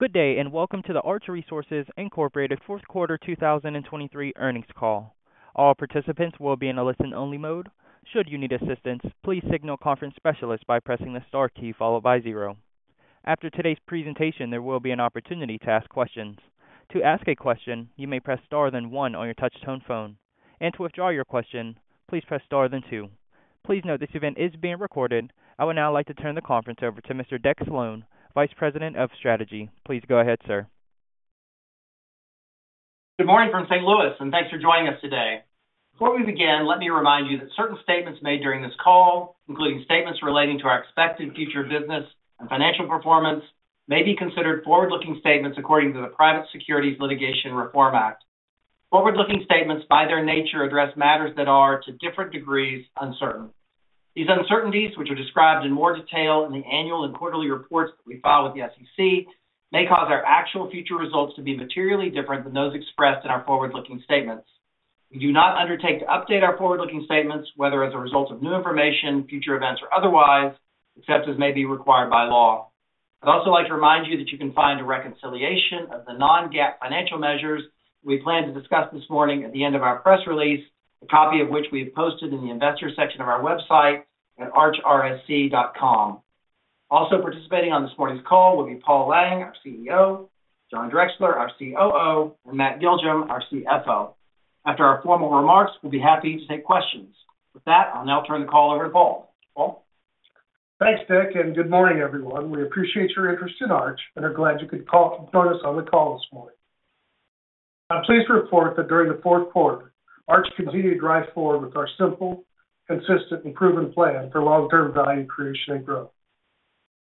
Good day, and welcome to the Arch Resources Incorporated Fourth Quarter 2023 earnings call. All participants will be in a listen-only mode. Should you need assistance, please signal a conference specialist by pressing the star key followed by zero. After today's presentation, there will be an opportunity to ask questions. To ask a question, you may press Star, then one on your touchtone phone, and to withdraw your question, please press Star, then two. Please note, this event is being recorded. I would now like to turn the conference over to Mr. Deck Slone, Vice President of Strategy. Please go ahead, sir. Good morning from St. Louis, and thanks for joining us today. Before we begin, let me remind you that certain statements made during this call, including statements relating to our expected future business and financial performance, may be considered forward-looking statements according to the Private Securities Litigation Reform Act. Forward-looking statements by their nature, address matters that are, to different degrees, uncertain. These uncertainties, which are described in more detail in the annual and quarterly reports that we file with the SEC, may cause our actual future results to be materially different than those expressed in our forward-looking statements. We do not undertake to update our forward-looking statements, whether as a result of new information, future events, or otherwise, except as may be required by law. I'd also like to remind you that you can find a reconciliation of the non-GAAP financial measures we plan to discuss this morning at the end of our press release, a copy of which we have posted in the investor section of our website at archrsc.com. Also participating on this morning's call will be Paul Lang, our CEO, John Drexler, our COO, and Matt Giljum, our CFO. After our formal remarks, we'll be happy to take questions. With that, I'll now turn the call over to Paul. Paul? Thanks, Deck, and good morning, everyone. We appreciate your interest in Arch and are glad you could join us on the call this morning. I'm pleased to report that during the fourth quarter, Arch continued to drive forward with our simple, consistent, and proven plan for long-term value creation and growth.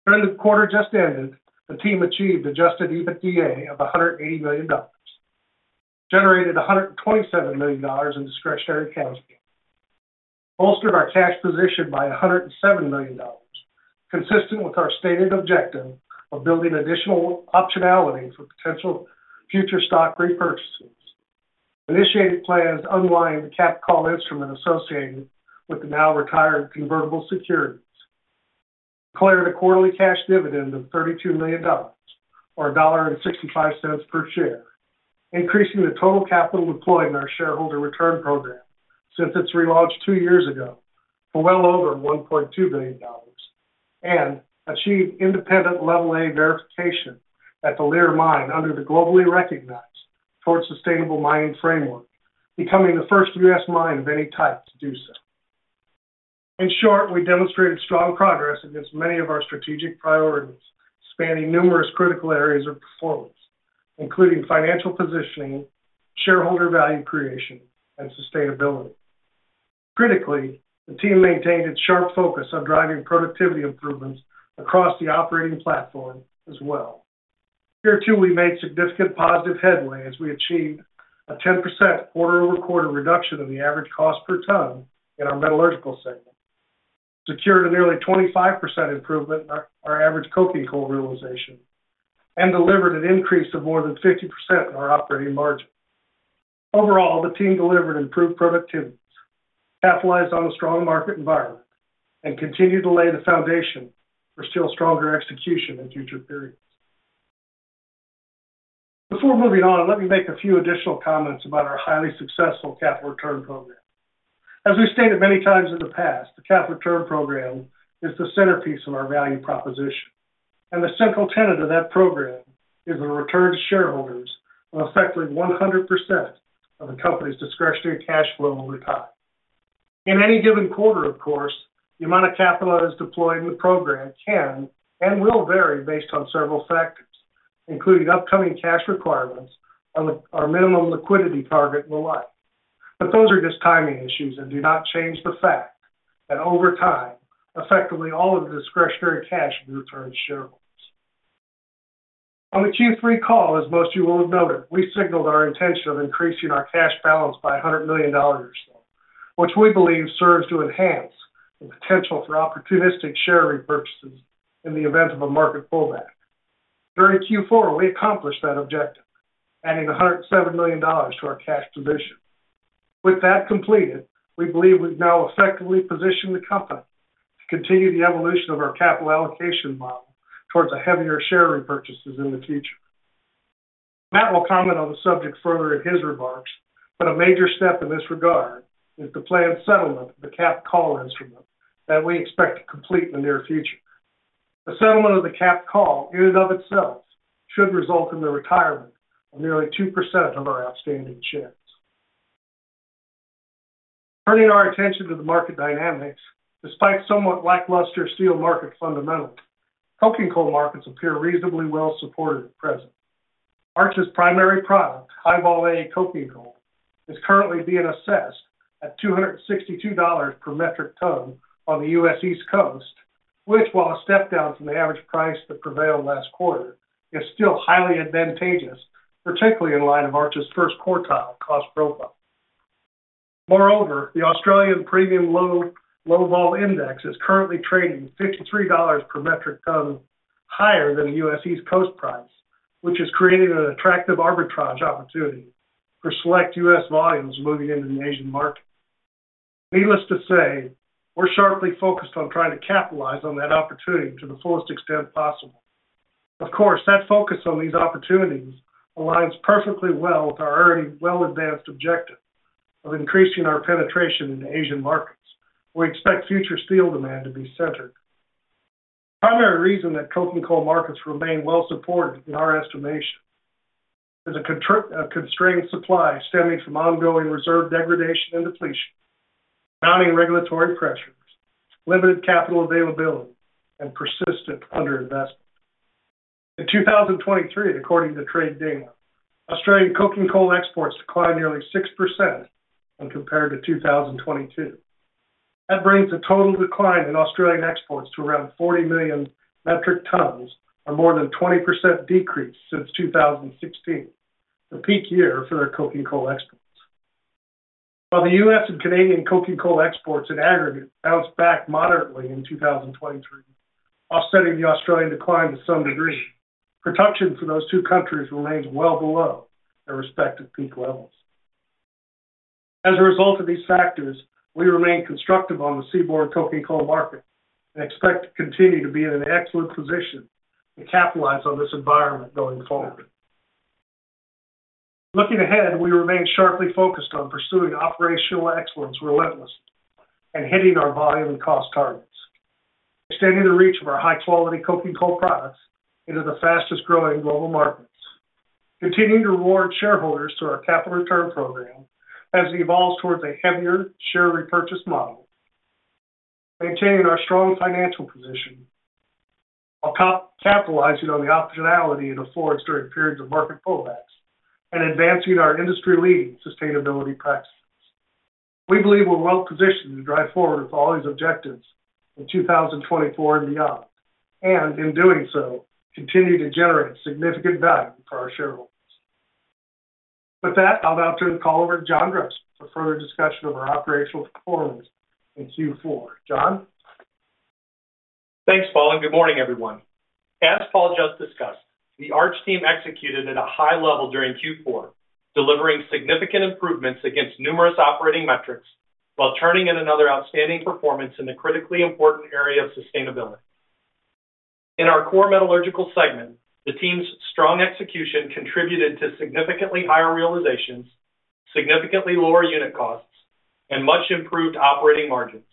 During the quarter just ended, the team achieved adjusted EBITDA of $180 million, generated $127 million in discretionary cash flow, bolstered our cash position by $170 million, consistent with our stated objective of building additional optionality for potential future stock repurchases. Initiated plans to unwind the capped call instrument associated with the now-retired convertible securities, declared a quarterly cash dividend of $32 million, or $1.65 per share, increasing the total capital deployed in our shareholder return program since its relaunch two years ago for well over $1.2 billion, and achieved independent Level A verification at the Leer Mine under the globally recognized Towards Sustainable Mining framework, becoming the first U.S. mine of any type to do so. In short, we demonstrated strong progress against many of our strategic priorities, spanning numerous critical areas of performance, including financial positioning, shareholder value creation, and sustainability. Critically, the team maintained its sharp focus on driving productivity improvements across the operating platform as well. Here, too, we made significant positive headway as we achieved a 10% quarter-over-quarter reduction in the average cost per ton in our metallurgical segment, secured a nearly 25% improvement in our average coking coal realization, and delivered an increase of more than 50% in our operating margin. Overall, the team delivered improved productivity, capitalized on a strong market environment, and continued to lay the foundation for still stronger execution in future periods. Before moving on, let me make a few additional comments about our highly successful capital return program. As we stated many times in the past, the capital return program is the centerpiece of our value proposition, and the central tenet of that program is a return to shareholders of effectively 100% of the company's discretionary cash flow over time. In any given quarter, of course, the amount of capital that is deployed in the program can and will vary based on several factors, including upcoming cash requirements and our minimum liquidity target and the like. But those are just timing issues and do not change the fact that over time, effectively all of the discretionary cash will be returned to shareholders. On the Q3 call, as most you will have noted, we signaled our intention of increasing our cash balance by $100 million, which we believe serves to enhance the potential for opportunistic share repurchases in the event of a market pullback. During Q4, we accomplished that objective, adding $107 million to our cash position. With that completed, we believe we've now effectively positioned the company to continue the evolution of our capital allocation model towards a heavier share repurchases in the future. Matt will comment on the subject further in his remarks, but a major step in this regard is the planned settlement of the capped call instrument that we expect to complete in the near future. The settlement of the capped call in and of itself should result in the retirement of nearly 2% of our outstanding shares. Turning our attention to the market dynamics, despite somewhat lackluster steel market fundamentals, coking coal markets appear reasonably well supported at present. Arch's primary product, High Vol A coking coal, is currently being assessed at $262 per metric ton on the U.S. East Coast, which, while a step down from the average price that prevailed last quarter, is still highly advantageous, particularly in light of Arch's first quartile cost profile. Moreover, the Australian Premium Low Vol index is currently trading $53 per metric ton higher than the U.S. East Coast price, which is creating an attractive arbitrage opportunity for select U.S. volumes moving into the Asian market. Needless to say, we're sharply focused on trying to capitalize on that opportunity to the fullest extent possible. Of course, that focus on these opportunities aligns perfectly well with our already well-advanced objective of increasing our penetration in the Asian markets, where we expect future steel demand to be centered. The primary reason that coking coal markets remain well supported, in our estimation, is a constrained supply stemming from ongoing reserve degradation and depletion, mounting regulatory pressures, limited capital availability, and persistent underinvestment. In 2023, according to trade data, Australian coking coal exports declined nearly 6% when compared to 2022. That brings the total decline in Australian exports to around 40 million metric tons, or more than 20% decrease since 2016, the peak year for their coking coal exports. While the U.S. and Canadian coking coal exports in aggregate bounced back moderately in 2023, offsetting the Australian decline to some degree, production for those two countries remains well below their respective peak levels. As a result of these factors, we remain constructive on the seaborne coking coal market and expect to continue to be in an excellent position to capitalize on this environment going forward. Looking ahead, we remain sharply focused on pursuing operational excellence relentlessly and hitting our volume and cost targets, extending the reach of our high-quality coking coal products into the fastest-growing global markets, continuing to reward shareholders through our capital return program as it evolves towards a heavier share repurchase model, maintaining our strong financial position while capitalizing on the optionality it affords during periods of market pullbacks, and advancing our industry-leading sustainability practices. We believe we're well positioned to drive forward with all these objectives in 2024 and beyond, and in doing so, continue to generate significant value for our shareholders. With that, I'll now turn the call over to John Grubbs for further discussion of our operational performance in Q4. John? Thanks, Paul, and good morning, everyone. As Paul just discussed, the Arch team executed at a high level during Q4, delivering significant improvements against numerous operating metrics while turning in another outstanding performance in the critically important area of sustainability. In our core metallurgical segment, the team's strong execution contributed to significantly higher realizations, significantly lower unit costs, and much improved operating margins.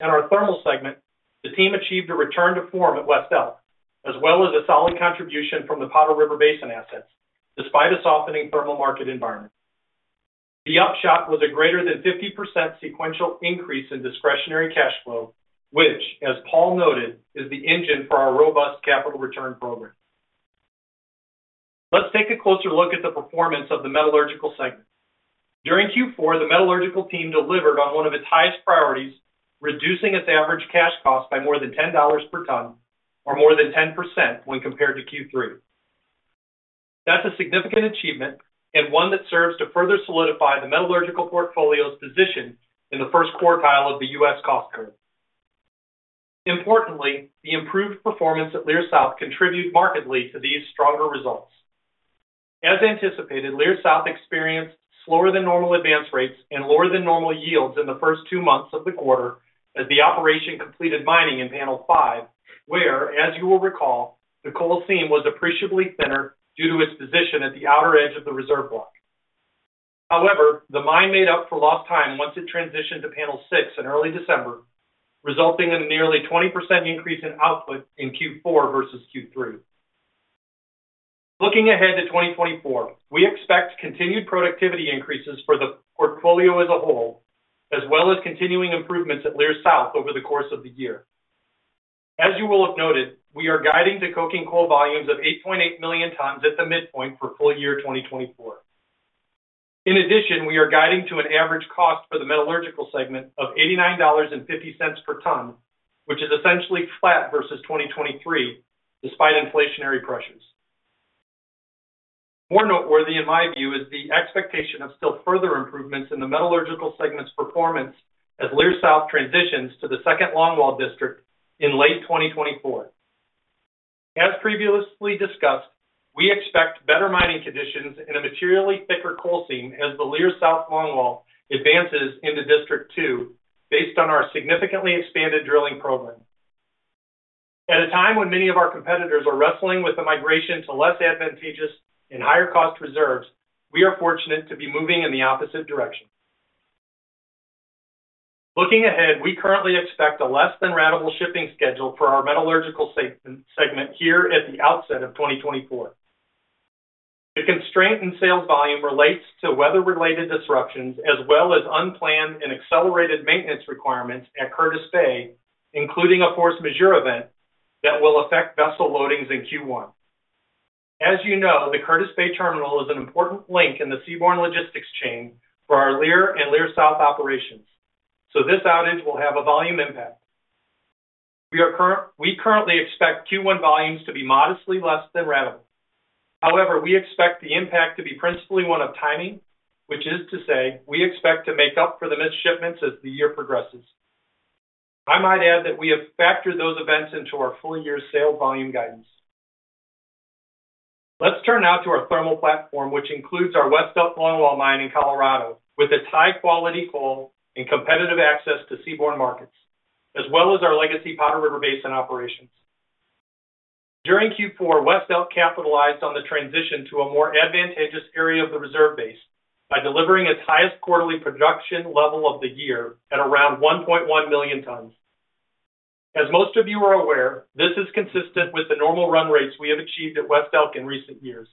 In our thermal segment, the team achieved a return to form at West Elk, as well as a solid contribution from the Powder River Basin assets, despite a softening thermal market environment. The upshot was a greater than 50% sequential increase in discretionary cash flow, which, as Paul noted, is the engine for our robust capital return program. Let's take a closer look at the performance of the metallurgical segment. During Q4, the metallurgical team delivered on one of its highest priorities, reducing its average cash cost by more than $10 per ton, or more than 10% when compared to Q3. That's a significant achievement and one that serves to further solidify the metallurgical portfolio's position in the first quartile of the U.S. cost curve. Importantly, the improved performance at Leer South contributed markedly to these stronger results. As anticipated, Leer South experienced slower than normal advance rates and lower than normal yields in the first two months of the quarter as the operation completed mining in Panel Five, where, as you will recall, the coal seam was appreciably thinner due to its position at the outer edge of the reserve block. However, the mine made up for lost time once it transitioned to Panel Six in early December, resulting in a nearly 20% increase in output in Q4 versus Q3. Looking ahead to 2024, we expect continued productivity increases for the portfolio as a whole, as well as continuing improvements at Leer South over the course of the year. As you will have noted, we are guiding to coking coal volumes of 8.8 million tons at the midpoint for full year 2024. In addition, we are guiding to an average cost for the metallurgical segment of $89.50 per ton, which is essentially flat versus 2023, despite inflationary pressures. More noteworthy, in my view, is the expectation of still further improvements in the metallurgical segment's performance as Leer South transitions to the second longwall district in late 2024. As previously discussed, we expect better mining conditions and a materially thicker coal seam as the Leer South longwall advances into District Two based on our significantly expanded drilling program. At a time when many of our competitors are wrestling with the migration to less advantageous and higher-cost reserves, we are fortunate to be moving in the opposite direction. Looking ahead, we currently expect a less than ratable shipping schedule for our metallurgical segment here at the outset of 2024. The constraint in sales volume relates to weather-related disruptions as well as unplanned and accelerated maintenance requirements at Curtis Bay, including a force majeure event that will affect vessel loadings in Q1. As you know, the Curtis Bay Terminal is an important link in the seaborne logistics chain for our Leer and Leer South operations, so this outage will have a volume impact. We currently expect Q1 volumes to be modestly less than ratable. However, we expect the impact to be principally one of timing, which is to say, we expect to make up for the missed shipments as the year progresses. I might add that we have factored those events into our full-year sales volume guidance. Let's turn now to our thermal platform, which includes our West Elk longwall mine in Colorado, with its high-quality coal and competitive access to seaborne markets, as well as our legacy Powder River Basin operations. During Q4, West Elk capitalized on the transition to a more advantageous area of the reserve base by delivering its highest quarterly production level of the year at around 1.1 million tons. As most of you are aware, this is consistent with the normal run rates we have achieved at West Elk in recent years.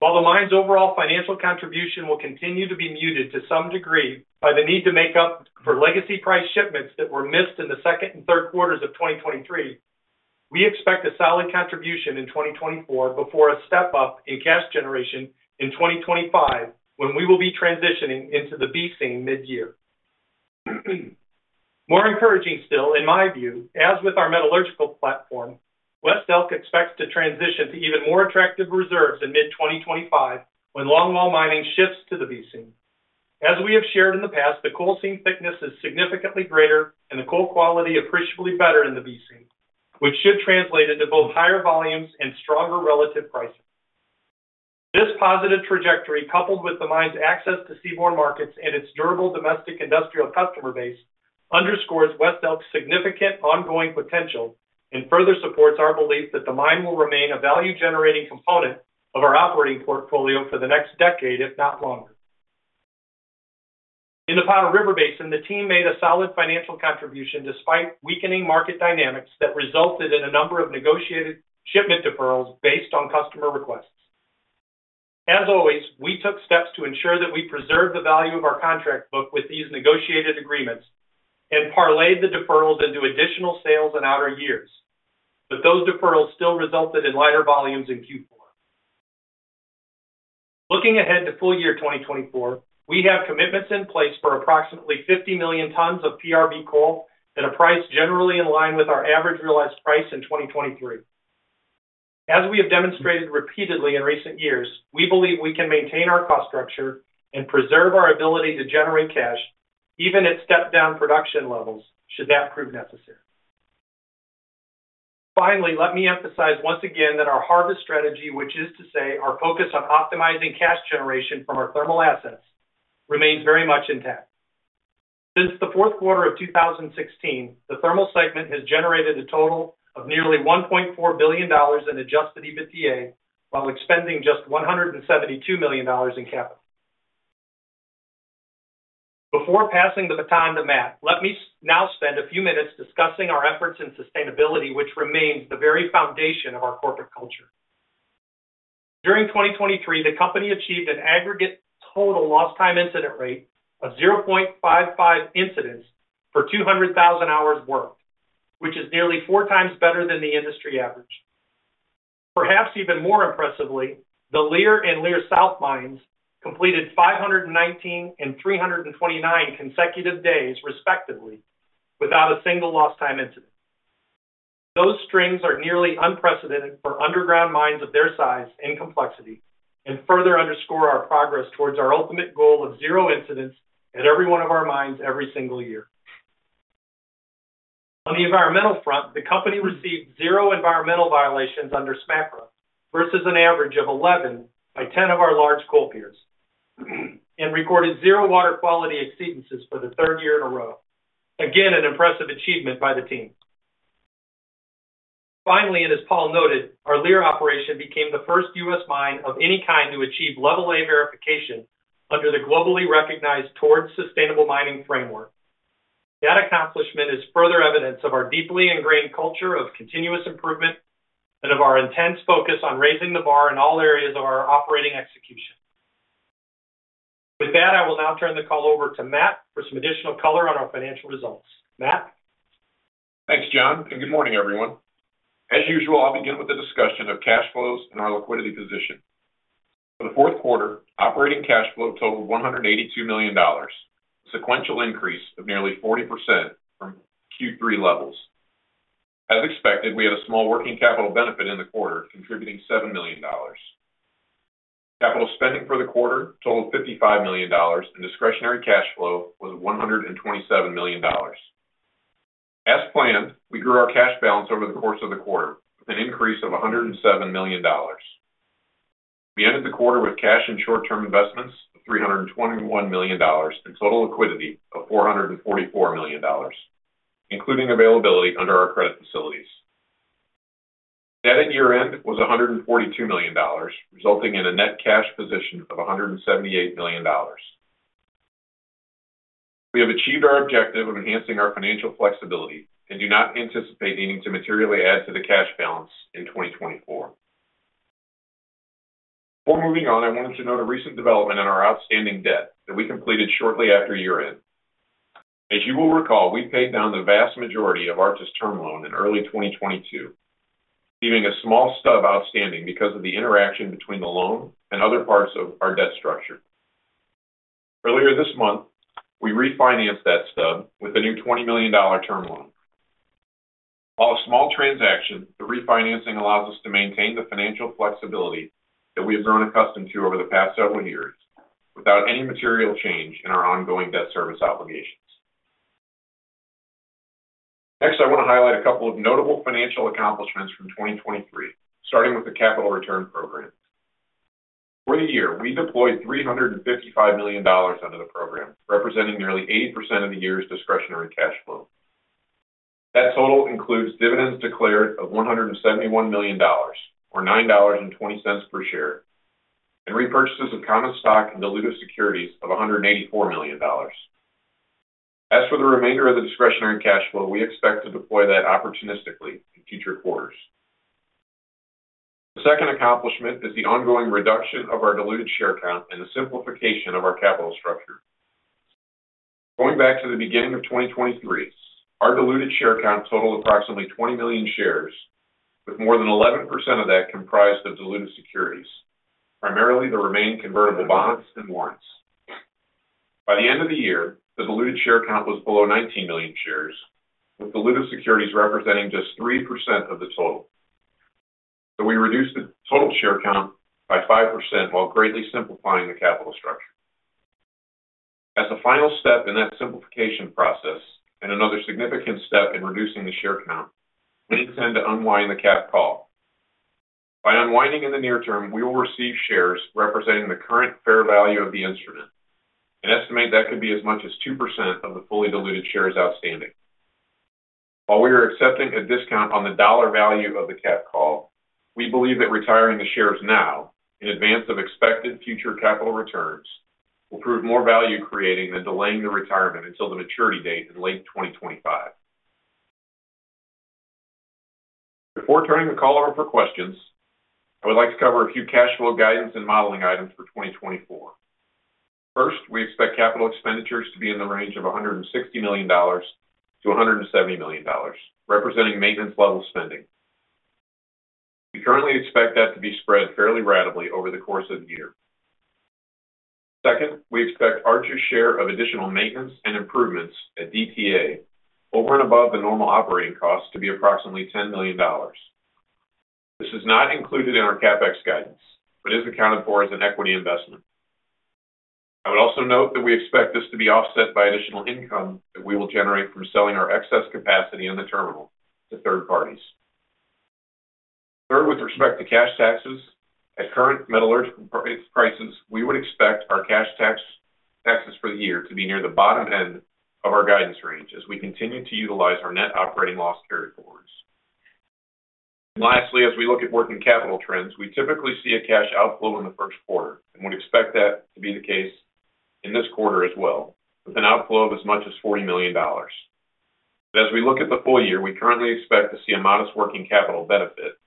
While the mine's overall financial contribution will continue to be muted to some degree by the need to make up for legacy price shipments that were missed in the second and third quarters of 2023, we expect a solid contribution in 2024 before a step-up in cash generation in 2025, when we will be transitioning into the B seam mid-year. More encouraging still, in my view, as with our metallurgical platform, West Elk expects to transition to even more attractive reserves in mid-2025, when longwall mining shifts to the B seam. As we have shared in the past, the coal seam thickness is significantly greater and the coal quality appreciably better in the B seam, which should translate into both higher volumes and stronger relative pricing. This positive trajectory, coupled with the mine's access to seaborne markets and its durable domestic industrial customer base, underscores West Elk's significant ongoing potential and further supports our belief that the mine will remain a value-generating component of our operating portfolio for the next decade, if not longer. In the Powder River Basin, the team made a solid financial contribution despite weakening market dynamics that resulted in a number of negotiated shipment deferrals based on customer requests. As always, we took steps to ensure that we preserved the value of our contract book with these negotiated agreements and parlayed the deferrals into additional sales in outer years. But those deferrals still resulted in lighter volumes in Q4. Looking ahead to full year 2024, we have commitments in place for approximately 50 million tons of PRB coal at a price generally in line with our average realized price in 2023. As we have demonstrated repeatedly in recent years, we believe we can maintain our cost structure and preserve our ability to generate cash, even at stepped-down production levels, should that prove necessary. Finally, let me emphasize once again that our harvest strategy, which is to say, our focus on optimizing cash generation from our thermal assets, remains very much intact. Since the fourth quarter of 2016, the thermal segment has generated a total of nearly $1.4 billion in Adjusted EBITDA, while expending just $172 million in capital. Before passing the baton to Matt, let me now spend a few minutes discussing our efforts in sustainability, which remains the very foundation of our corporate culture. During 2023, the company achieved an aggregate total lost time incident rate of 0.55 incidents for 200,000 hours worked, which is nearly 4 times better than the industry average. Perhaps even more impressively, the Leer and Leer South mines completed 519 and 329 consecutive days, respectively, without a single lost-time incident. Those strings are nearly unprecedented for underground mines of their size and complexity and further underscore our progress towards our ultimate goal of zero incidents at every one of our mines every single year. On the environmental front, the company received zero environmental violations under SMCRA, versus an average of eleven by ten of our large coal peers, and recorded zero water quality exceedances for the third year in a row. Again, an impressive achievement by the team. Finally, and as Paul noted, our Leer operation became the first U.S. mine of any kind to achieve Level A verification under the globally recognized Towards Sustainable Mining framework. That accomplishment is further evidence of our deeply ingrained culture of continuous improvement and of our intense focus on raising the bar in all areas of our operating execution. With that, I will now turn the call over to Matt for some additional color on our financial results. Matt? Thanks, John, and good morning, everyone. As usual, I'll begin with a discussion of cash flows and our liquidity position. For the fourth quarter, operating cash flow totaled $182 million, a sequential increase of nearly 40% from Q3 levels. As expected, we had a small working capital benefit in the quarter, contributing $7 million. Capital spending for the quarter totaled $55 million, and discretionary cash flow was $127 million. As planned, we grew our cash balance over the course of the quarter, an increase of $107 million. We ended the quarter with cash and short-term investments of $321 million, and total liquidity of $444 million, including availability under our credit facilities. Debt at year-end was $142 million, resulting in a net cash position of $178 million. We have achieved our objective of enhancing our financial flexibility and do not anticipate needing to materially add to the cash balance in 2024. Before moving on, I wanted to note a recent development in our outstanding debt that we completed shortly after year-end. As you will recall, we paid down the vast majority of Arch's term loan in early 2022, leaving a small stub outstanding because of the interaction between the loan and other parts of our debt structure. Earlier this month, we refinanced that stub with a new $20 million term loan. While a small transaction, the refinancing allows us to maintain the financial flexibility that we have grown accustomed to over the past several years, without any material change in our ongoing debt service obligations. Next, I want to highlight a couple of notable financial accomplishments from 2023, starting with the capital return program. For the year, we deployed $355 million under the program, representing nearly 80% of the year's discretionary cash flow. That total includes dividends declared of $171 million, or $9.20 per share, and repurchases of common stock and dilutive securities of $184 million. As for the remainder of the discretionary cash flow, we expect to deploy that opportunistically in future quarters. The second accomplishment is the ongoing reduction of our diluted share count and the simplification of our capital structure. Going back to the beginning of 2023, our diluted share count totaled approximately 20 million shares, with more than 11% of that comprised of dilutive securities, primarily the remaining convertible bonds and warrants. By the end of the year, the diluted share count was below 19 million shares, with dilutive securities representing just 3% of the total. So we reduced the total share count by 5% while greatly simplifying the capital structure. As a final step in that simplification process, and another significant step in reducing the share count, we intend to unwind the capped call. By unwinding in the near term, we will receive shares representing the current fair value of the instrument. An estimate that could be as much as 2% of the fully diluted shares outstanding. While we are accepting a discount on the dollar value of the capped call, we believe that retiring the shares now, in advance of expected future capital returns, will prove more value creating than delaying the retirement until the maturity date in late 2025. Before turning the call over for questions, I would like to cover a few cash flow guidance and modeling items for 2024. First, we expect capital expenditures to be in the range of $160 million-$170 million, representing maintenance level spending. We currently expect that to be spread fairly randomly over the course of the year. Second, we expect Arch's share of additional maintenance and improvements at DTA over and above the normal operating costs to be approximately $10 million. This is not included in our CapEx guidance, but is accounted for as an equity investment. I would also note that we expect this to be offset by additional income that we will generate from selling our excess capacity in the terminal to third parties. Third, with respect to cash taxes, at current metallurgical prices, we would expect our cash taxes for the year to be near the bottom end of our guidance range as we continue to utilize our net operating loss carryforwards. Lastly, as we look at working capital trends, we typically see a cash outflow in the first quarter and would expect that to be the case in this quarter as well, with an outflow of as much as $40 million. But as we look at the full year, we currently expect to see a modest working capital benefit,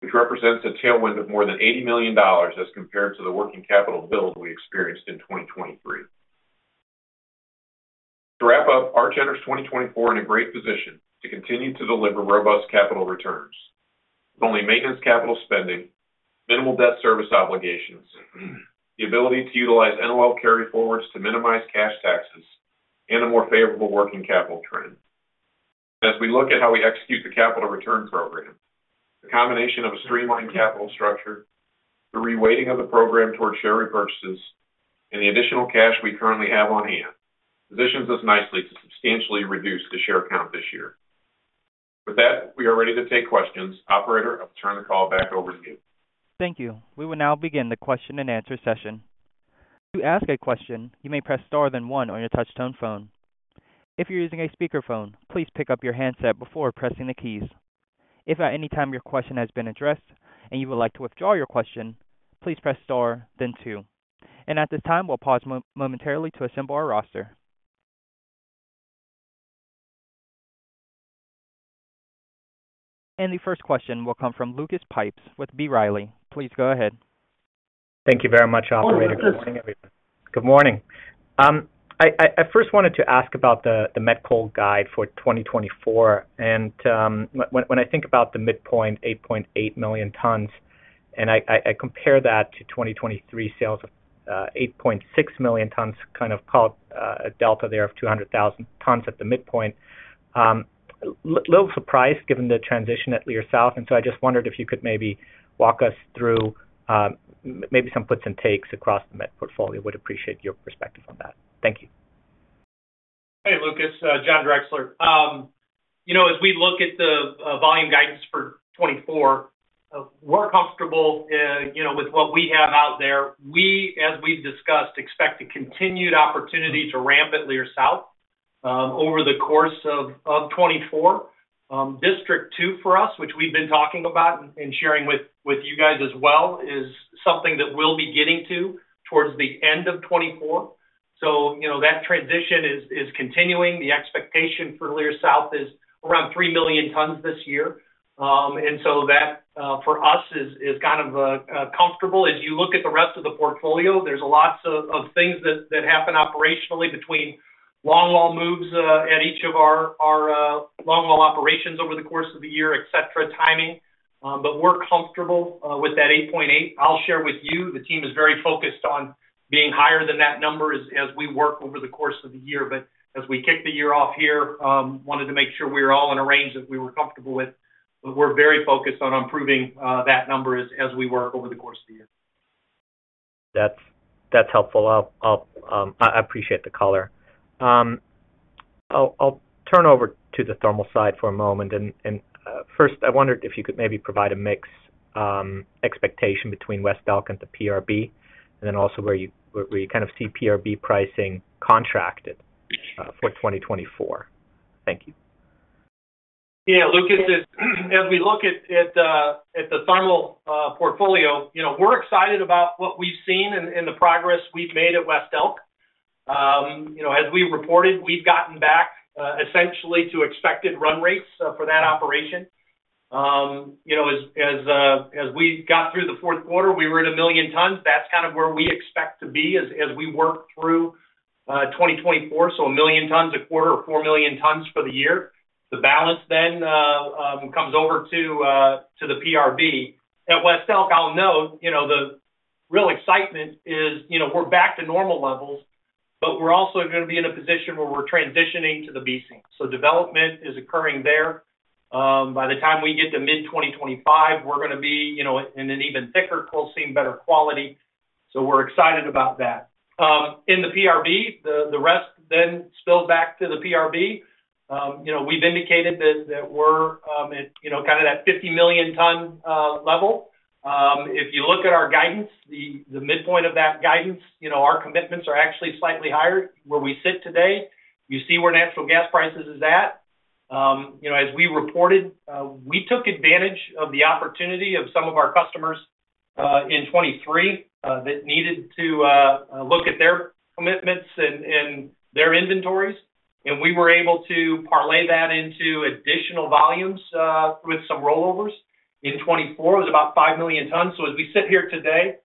which represents a tailwind of more than $80 million as compared to the working capital build we experienced in 2023. To wrap up, Arch enters 2024 in a great position to continue to deliver robust capital returns with only maintenance capital spending, minimal debt service obligations, the ability to utilize NOL carryforwards to minimize cash taxes, and a more favorable working capital trend. As we look at how we execute the capital return program, the combination of a streamlined capital structure, the reweighting of the program towards share repurchases, and the additional cash we currently have on hand, positions us nicely to substantially reduce the share count this year. With that, we are ready to take questions. Operator, I'll turn the call back over to you. Thank you. We will now begin the question-and-answer session. To ask a question, you may press Star, then one on your touchtone phone. If you're using a speakerphone, please pick up your handset before pressing the keys. If at any time your question has been addressed and you would like to withdraw your question, please press Star, then two. At this time, we'll pause momentarily to assemble our roster. The first question will come from Lucas Pipes with B. Riley. Please go ahead. Thank you very much, operator. Good morning, everyone. Good morning. I first wanted to ask about the met coal guide for 2024, and when I think about the midpoint, 8.8 million tons, and I compare that to 2023 sales of 8.6 million tons, kind of call it a delta there of 200,000 tons at the midpoint, little surprised given the transition at Leer South, and so I just wondered if you could maybe walk us through maybe some puts and takes across the met portfolio. Would appreciate your perspective on that. Thank you. Hey, Lucas, John Drexler. You know, as we look at the volume guidance for 2024, we're comfortable, you know, with what we have out there. We, as we've discussed, expect a continued opportunity to ramp at Leer South over the course of 2024. District Two for us, which we've been talking about and sharing with you guys as well, is something that we'll be getting to towards the end of 2024. So, you know, that transition is continuing. The expectation for Leer South is around 3 million tons this year. And so that for us is kind of comfortable. As you look at the rest of the portfolio, there's lots of things that happen operationally between longwall moves at each of our longwall operations over the course of the year, et cetera, timing. But we're comfortable with that 8.8. I'll share with you, the team is very focused on being higher than that number as we work over the course of the year. But as we kick the year off here, wanted to make sure we were all in a range that we were comfortable with. But we're very focused on improving that number as we work over the course of the year.... That's helpful. I'll, I appreciate the color. I'll turn over to the thermal side for a moment, and first, I wondered if you could maybe provide a mix expectation between West Elk and the PRB, and then also where you kind of see PRB pricing contracted for 2024. Thank you. Yeah, Lucas, as we look at the thermal portfolio, you know, we're excited about what we've seen and the progress we've made at West Elk. You know, as we reported, we've gotten back essentially to expected run rates for that operation. You know, as we got through the fourth quarter, we were at 1 million tons. That's kind of where we expect to be as we work through 2024, so 1 million tons a quarter or 4 million tons for the year. The balance then comes over to the PRB. At West Elk, I'll note, you know, the real excitement is, you know, we're back to normal levels, but we're also gonna be in a position where we're transitioning to the B seam. So development is occurring there. By the time we get to mid-2025, we're gonna be, you know, in an even thicker coal seam, better quality, so we're excited about that. In the PRB, the rest then spills back to the PRB. You know, we've indicated that we're at, you know, kind of that 50 million ton level. If you look at our guidance, the midpoint of that guidance, you know, our commitments are actually slightly higher where we sit today. You see where natural gas prices is at. You know, as we reported, we took advantage of the opportunity of some of our customers in 2023 that needed to look at their commitments and their inventories. And we were able to parlay that into additional volumes with some rollovers. In 2024, it was about 5 million tons. So as we sit here today,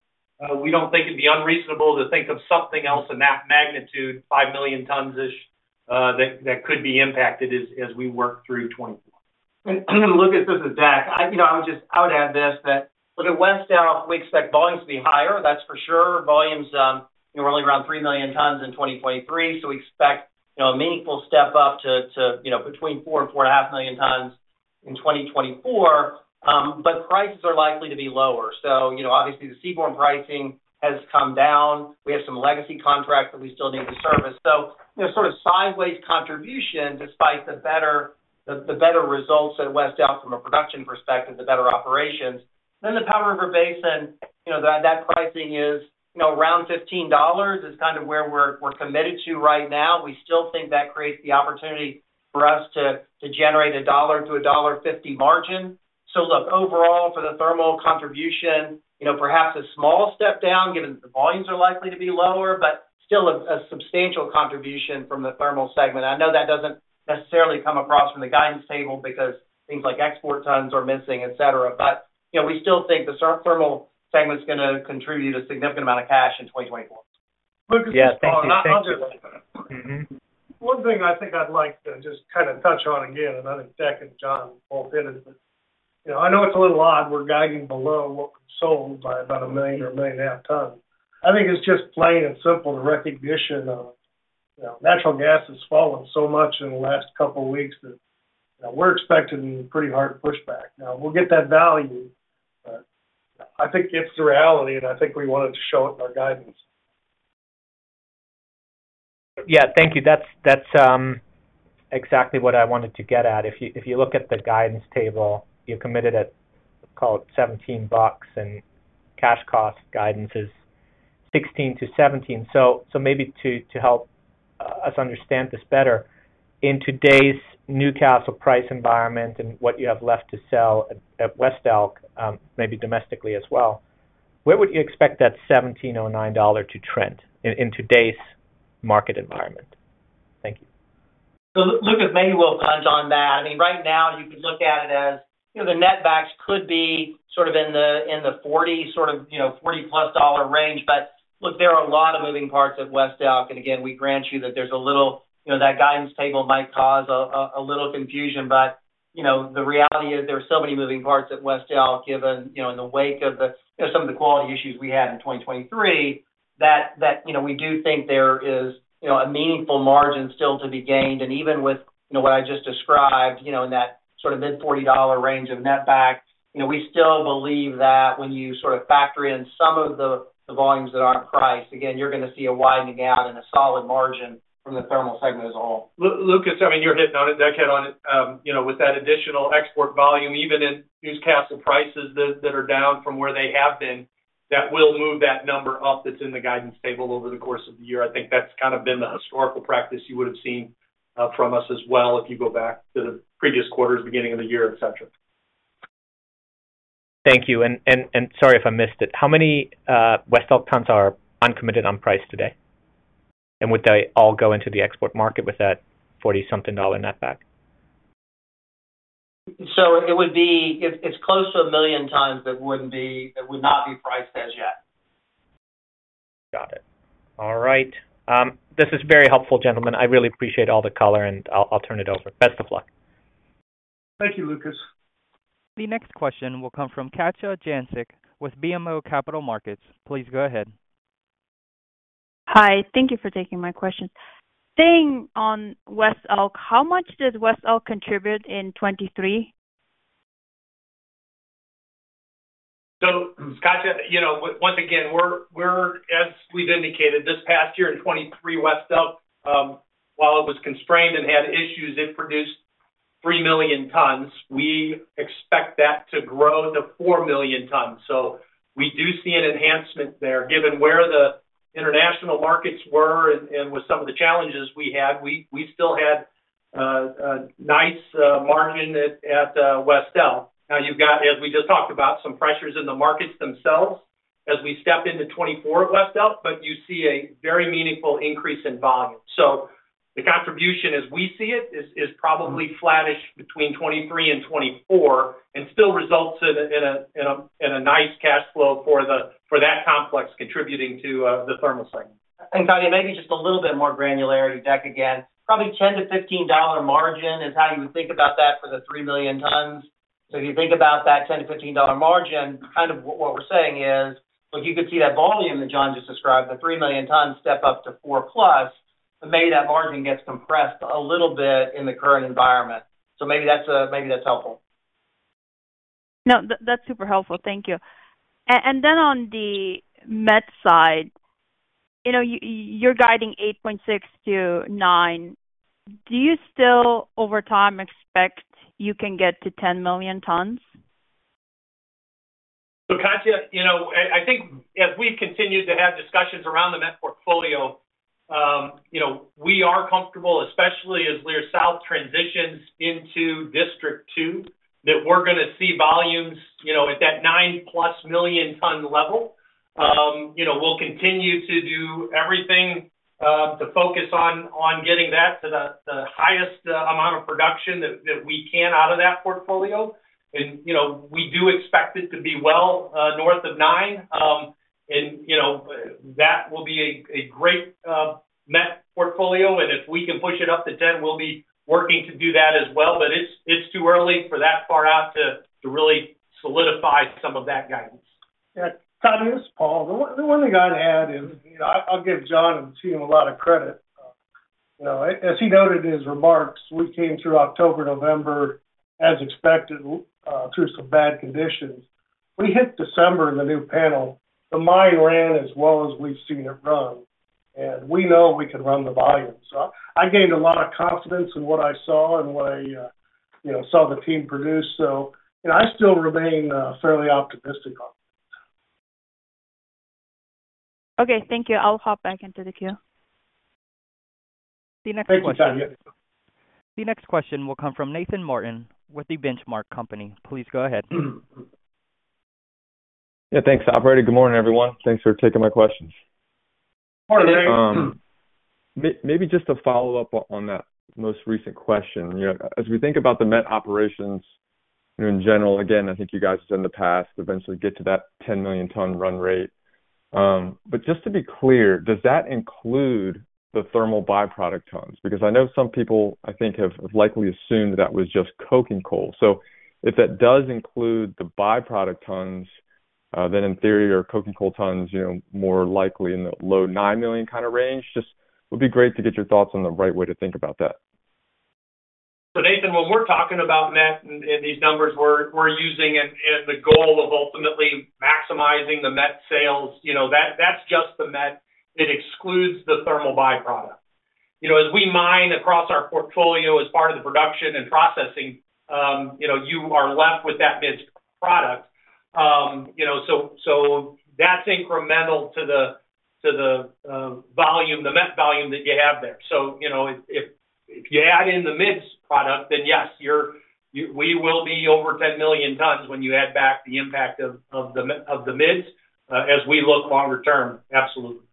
we don't think it'd be unreasonable to think of something else in that magnitude, 5 million tons-ish, that could be impacted as we work through 2024. Lucas, this is Zach. You know, I would just add this, that look, at West Elk, we expect volumes to be higher, that's for sure. Volumes, you were only around 3 million tons in 2023, so we expect, you know, a meaningful step up to, you know, between 4 and 4.5 million tons in 2024. But prices are likely to be lower. So, you know, obviously, the seaborne pricing has come down. We have some legacy contracts that we still need to service. So there's sort of sideways contribution despite the better results at West Elk from a production perspective, the better operations. Then the Powder River Basin, you know, that pricing is, you know, around $15 is kind of where we're committed to right now. We still think that creates the opportunity for us to generate $1-$1.50 margin. So look, overall, for the thermal contribution, you know, perhaps a small step down, given that the volumes are likely to be lower, but still a substantial contribution from the thermal segment. I know that doesn't necessarily come across from the guidance table because things like export tons are missing, et cetera. But, you know, we still think the thermal segment is gonna contribute a significant amount of cash in 2024. Yes, thank you. Thank you. Mm-hmm. One thing I think I'd like to just kind of touch on again, and I think Zach and John both hit it, but you know, I know it's a little odd we're guiding below what sold by about 1 million or 1.5 million tons. I think it's just plain and simple, the recognition of, you know, natural gas has fallen so much in the last couple of weeks that we're expecting pretty hard pushback. Now, we'll get that value, but I think it's the reality, and I think we wanted to show it in our guidance. Yeah, thank you. That's exactly what I wanted to get at. If you look at the guidance table, you're committed at, call it $17, and cash cost guidance is $16-$17. So maybe to help us understand this better, in today's Newcastle price environment and what you have left to sell at West Elk, maybe domestically as well, where would you expect that $17.09 to trend in today's market environment? Thank you. So Lucas, maybe we'll touch on that. I mean, right now, you could look at it as, you know, the netbacks could be sort of in the, in the $40 sort of, you know, $40+ range. But look, there are a lot of moving parts at West Elk, and again, we grant you that there's a little... You know, that guidance table might cause a little confusion, but you know, the reality is there are so many moving parts at West Elk, given, you know, in the wake of the, you know, some of the quality issues we had in 2023, that, that, you know, we do think there is, you know, a meaningful margin still to be gained. Even with, you know, what I just described, you know, in that sort of mid-$40 range of netback, you know, we still believe that when you sort of factor in some of the volumes that aren't priced, again, you're gonna see a widening out and a solid margin from the thermal segment as a whole. Lucas, I mean, you're hitting on it, Zach, hit on it. You know, with that additional export volume, even in Newcastle prices that, that are down from where they have been, that will move that number up that's in the guidance table over the course of the year. I think that's kind of been the historical practice you would have seen, from us as well, if you go back to the previous quarters, beginning of the year, et cetera. Thank you. Sorry if I missed it, how many West Elk tons are uncommitted on price today? And would they all go into the export market with that $40-something netback? So it's close to 1 million tons that would not be priced as yet. Got it. All right. This is very helpful, gentlemen. I really appreciate all the color, and I'll, I'll turn it over. Best of luck. Thank you, Lucas. The next question will come from Katja Jancic with BMO Capital Markets. Please go ahead. Hi, thank you for taking my question. Staying on West Elk, how much did West Elk contribute in 2023? ... So, Katja, you know, once again, we're as we've indicated, this past year in 2023, West Elk, while it was constrained and had issues, it produced 3 million tons. We expect that to grow to 4 million tons. So we do see an enhancement there, given where the international markets were and with some of the challenges we had, we still had a nice margin at West Elk. Now you've got, as we just talked about, some pressures in the markets themselves as we step into 2024 at West Elk, but you see a very meaningful increase in volume. So the contribution, as we see it, is probably flattish between 2023 and 2024, and still results in a nice cash flow for that complex, contributing to the thermal segment. And Katja, maybe just a little bit more granularity, Deck again, probably $10-$15 margin is how you would think about that for the 3 million tons. So if you think about that $10-$15 margin, kind of what we're saying is, look, you could see that volume that John just described, the 3 million tons step up to 4+, but maybe that margin gets compressed a little bit in the current environment. So maybe that's, maybe that's helpful. No, that's super helpful. Thank you. And then on the met side, you know, you're guiding 8.6-9. Do you still, over time, expect you can get to 10 million tons? So, Katja, you know, I think as we've continued to have discussions around the met portfolio, you know, we are comfortable, especially as Leer South transitions into District Two, that we're gonna see volumes, you know, at that 9+ million ton level. You know, we'll continue to do everything to focus on getting that to the highest amount of production that we can out of that portfolio. And, you know, we do expect it to be well north of 9. And, you know, that will be a great met portfolio, and if we can push it up to 10, we'll be working to do that as well. But it's too early for that far out to really solidify some of that guidance. Yeah. Katja, this is Paul. The one, the one thing I'd add is, you know, I'll give John and the team a lot of credit. You know, as he noted in his remarks, we came through October, November, as expected, through some bad conditions. We hit December in the new panel. The mine ran as well as we've seen it run, and we know we can run the volume. So I gained a lot of confidence in what I saw and what I, you know, saw the team produce. So, you know, I still remain fairly optimistic on it. Okay, thank you. I'll hop back into the queue. The next question- Thank you, Katja. The next question will come from Nathan Martin with The Benchmark Company. Please go ahead. Yeah, thanks, operator. Good morning, everyone. Thanks for taking my questions. Good morning, Nathan. Maybe just a follow-up on that most recent question. You know, as we think about the met operations, you know, in general, again, I think you guys said in the past, eventually get to that 10 million ton run rate. But just to be clear, does that include the thermal byproduct tons? Because I know some people, I think, have likely assumed that was just coking coal. So if that does include the byproduct tons, then in theory, or coking coal tons, you know, more likely in the low 9 million kind of range, just would be great to get your thoughts on the right way to think about that. So Nathan, when we're talking about met in these numbers, we're using and the goal of ultimately maximizing the met sales, you know, that's just the met. It excludes the thermal byproduct. You know, as we mine across our portfolio, as part of the production and processing, you know, you are left with that mid product. You know, so that's incremental to the volume, the met volume that you have there. So, you know, if you add in the mids product, then yes, we will be over 10 million tons when you add back the impact of the mids, as we look longer term. Absolutely.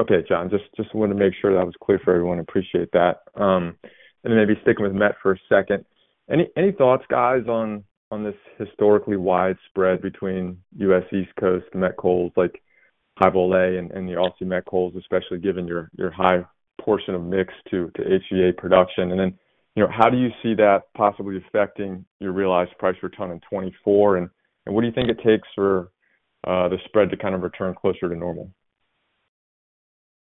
Okay, John, just, just wanted to make sure that was clear for everyone. Appreciate that. And then maybe sticking with met for a second. Any, any thoughts, guys, on, on this historically wide spread between U.S. East Coast met coals like High Vol A and, and the Aussie met coals, especially given your, your high portion of mix to, to HVA production? And then, you know, how do you see that possibly affecting your realized price per ton in 2024? And, and what do you think it takes for the spread to kind of return closer to normal?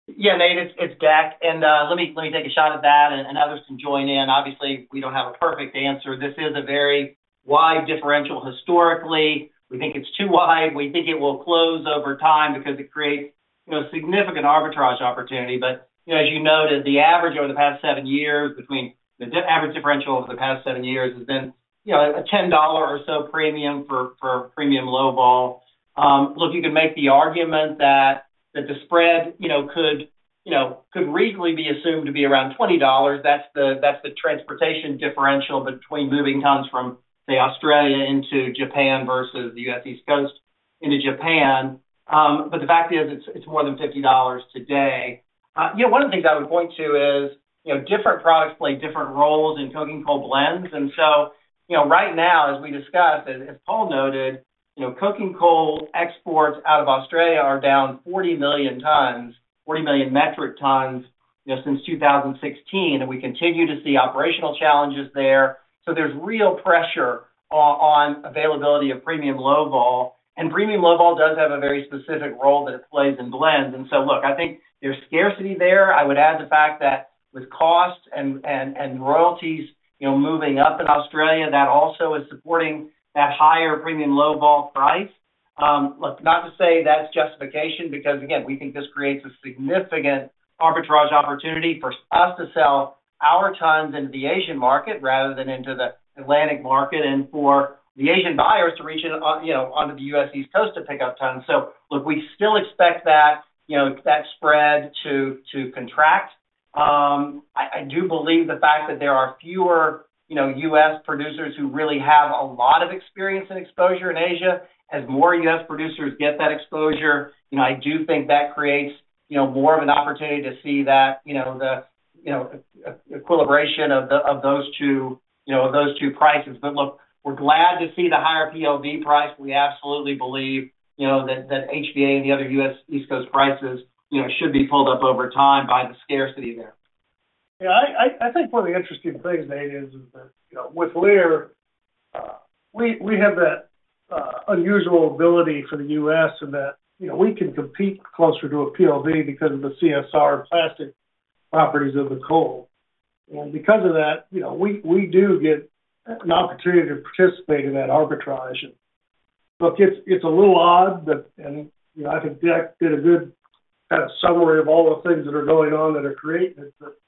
Yeah, Nate, it's Deck, and let me take a shot at that, and others can join in. Obviously, we don't have a perfect answer. This is a very wide differential historically. We think it's too wide. We think it will close over time because it creates, you know, significant arbitrage opportunity. But, as you noted, the average differential over the past seven years has been, you know, a $10 or so premium for Premium Low Vol. Look, you can make the argument that the spread, you know, could reasonably be assumed to be around $20. That's the transportation differential between moving tons from, say, Australia into Japan versus the U.S. East Coast into Japan. But the fact is, it's more than $50 today. You know, one of the things I would point to is, you know, different products play different roles in coking coal blends. And so, you know, right now, as we discussed, as, as Paul noted, you know, coking coal exports out of Australia are down 40 million tons, 40 million metric tons, you know, since 2016, and we continue to see operational challenges there. So there's real pressure on availability of premium low vol, and premium low vol does have a very specific role that it plays in blends. And so look, I think there's scarcity there. I would add the fact that with costs and, and, and royalties, you know, moving up in Australia, that also is supporting that higher premium low vol price. Look, not to say that's justification, because again, we think this creates a significant arbitrage opportunity for us to sell our tons into the Asian market rather than into the Atlantic market, and for the Asian buyers to reach in, on, you know, onto the U.S. East Coast to pick up tons. So look, we still expect that, you know, that spread to, to contract. I, I do believe the fact that there are fewer, you know, U.S. producers who really have a lot of experience and exposure in Asia. As more U.S. producers get that exposure, you know, I do think that creates, you know, more of an opportunity to see that, you know, the, you know, equilibration of those two, you know, of those two prices. But look, we're glad to see the higher PLV price. We absolutely believe, you know, that HVA and the other U.S. East Coast prices, you know, should be pulled up over time by the scarcity there. Yeah, I think one of the interesting things, Nate, is that, you know, with Leer, we have that unusual ability for the U.S. in that, you know, we can compete closer to a PLV because of the CSR and plastic properties of the coal. And because of that, you know, we do get an opportunity to participate in that arbitrage. Look, it's a little odd that... and, you know, I think Jack did a good kind of summary of all the things that are going on that are creating it. But,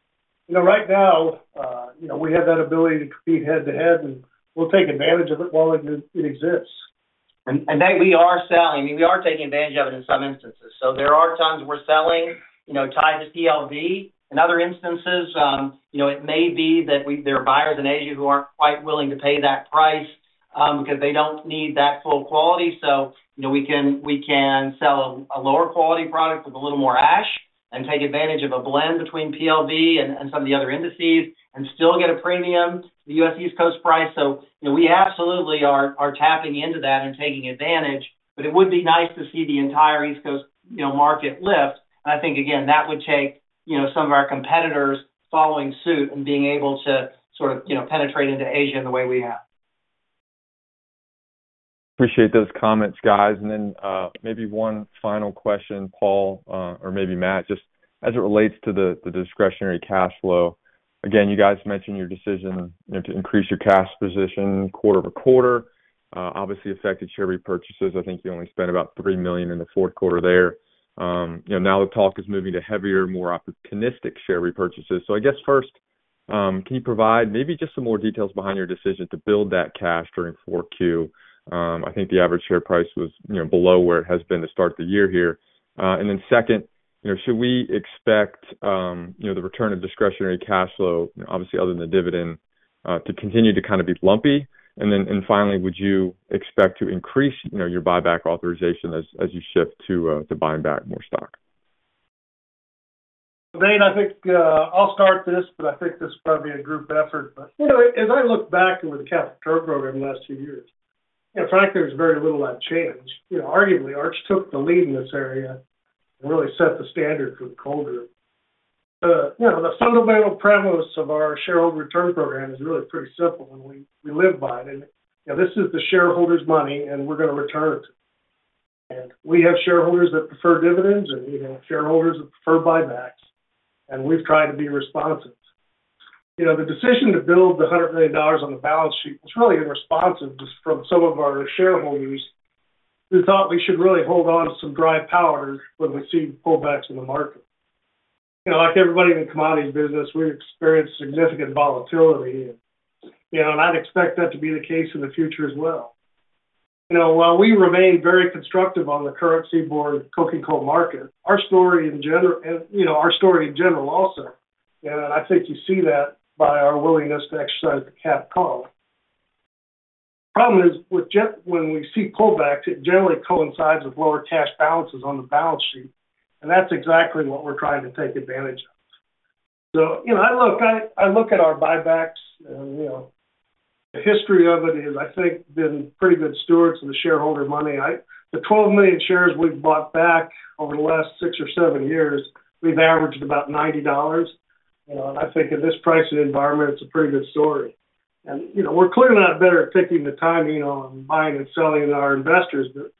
you know, right now, you know, we have that ability to compete head-to-head, and we'll take advantage of it while it exists. And, Nate, we are selling. I mean, we are taking advantage of it in some instances. So there are times we're selling, you know, tied to PLV. In other instances, you know, it may be that we—there are buyers in Asia who aren't quite willing to pay that price, because they don't need that full quality. So, you know, we can sell a lower quality product with a little more ash and take advantage of a blend between PLV and some of the other indices, and still get a premium, the U.S. East Coast price. So, you know, we absolutely are tapping into that and taking advantage, but it would be nice to see the entire East Coast, you know, market lift. I think, again, that would take, you know, some of our competitors following suit and being able to sort of, you know, penetrate into Asia the way we have. Appreciate those comments, guys. Then, maybe one final question, Paul, or maybe Matt, just as it relates to the discretionary cash flow. Again, you guys mentioned your decision, you know, to increase your cash position quarter-over-quarter. Obviously affected share repurchases. I think you only spent about $3 million in the fourth quarter there. You know, now the talk is moving to heavier, more opportunistic share repurchases. So I guess first, can you provide maybe just some more details behind your decision to build that cash during 4Q? I think the average share price was, you know, below where it has been to start the year here. And then second, you know, should we expect, you know, the return of discretionary cash flow, obviously, other than the dividend, to continue to kind of be lumpy? And then, finally, would you expect to increase, you know, your buyback authorization as you shift to buying back more stock? Nate, I think, I'll start this, but I think this will probably be a group effort. But, you know, as I look back over the capital return program in the last few years, in fact, there's very little that changed. You know, arguably, Arch took the lead in this area and really set the standard for the coal group. The, you know, the fundamental premise of our shareholder return program is really pretty simple, and we, we live by it. And, you know, this is the shareholders' money, and we're going to return it. And we have shareholders that prefer dividends, and we have shareholders that prefer buybacks, and we've tried to be responsive. You know, the decision to build the $100 million on the balance sheet was really in response to this from some of our shareholders, who thought we should really hold on to some dry powder when we see pullbacks in the market. You know, like everybody in the commodities business, we've experienced significant volatility, and, you know, and I'd expect that to be the case in the future as well. You know, while we remain very constructive on the current seaborne coking coal market, our story in general, and, you know, our story in general also, and I think you see that by our willingness to exercise the capped call. The problem is, when we see pullbacks, it generally coincides with lower cash balances on the balance sheet, and that's exactly what we're trying to take advantage of. So, you know, I look at our buybacks, and, you know, the history of it is, I think, been pretty good stewards of the shareholder money. The 12 million shares we've bought back over the last 6 or 7 years, we've averaged about $90. You know, and I think in this pricing environment, it's a pretty good story. And, you know, we're clearly not better at picking the timing on buying and selling than our investors, but,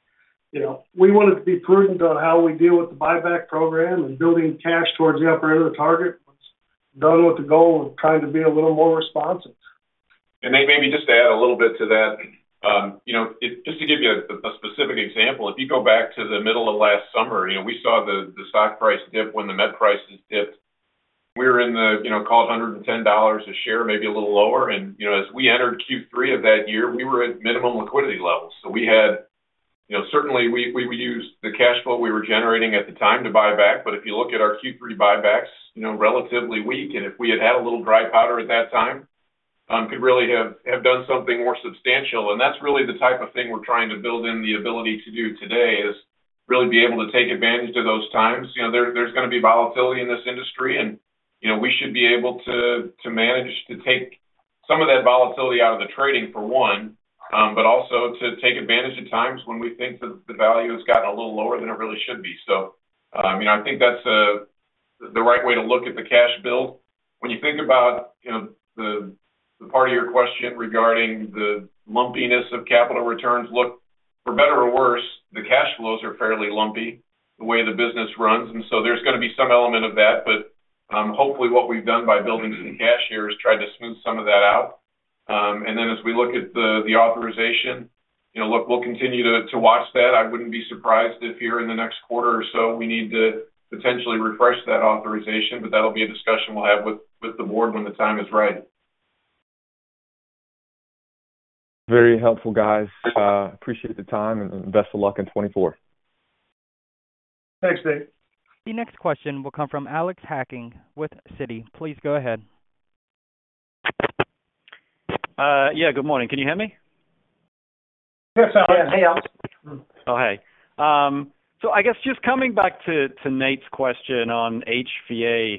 you know, we wanted to be prudent on how we deal with the buyback program and building cash towards the upper end of the target. It's done with the goal of trying to be a little more responsive. And Nate, maybe just to add a little bit to that. You know, it just to give you a specific example, if you go back to the middle of last summer, you know, we saw the stock price dip when the met prices dipped. We were in the, you know, call it $110 a share, maybe a little lower. You know, as we entered Q3 of that year, we were at minimum liquidity levels. So we had you know, certainly, we used the cash flow we were generating at the time to buy back. But if you look at our Q3 buybacks, you know, relatively weak, and if we had had a little dry powder at that time, could really have done something more substantial. That's really the type of thing we're trying to build in the ability to do today, is really be able to take advantage of those times. You know, there, there's gonna be volatility in this industry, and, you know, we should be able to, to manage to take some of that volatility out of the trading, for one, but also to take advantage of times when we think that the value has gotten a little lower than it really should be. So, you know, I think that's the right way to look at the cash build. When you think about, you know, the, the part of your question regarding the lumpiness of capital returns, look, for better or worse, the cash flows are fairly lumpy, the way the business runs, and so there's going to be some element of that. But, hopefully what we've done by building some cash here is try to smooth some of that out. And then as we look at the authorization, you know, look, we'll continue to watch that. I wouldn't be surprised if here in the next quarter or so we need to potentially refresh that authorization, but that'll be a discussion we'll have with the board when the time is right. Very helpful, guys. Appreciate the time and best of luck in 2024. Thanks, Nate. The next question will come from Alex Hacking with Citi. Please go ahead. Yeah, good morning. Can you hear me? Yes, Alex. Oh, hey. So I guess just coming back to Nate's question on HVA,